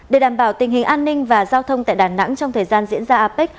để đảm bảo tình hình an ninh và giao thông tại đà nẵng trong thời gian diễn ra apec